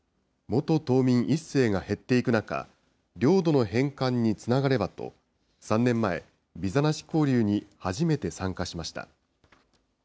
元島民１世が減っていく中、領土の返還につながればと、３年前、ビザなし交流に初めて参加しました。